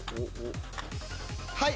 はい！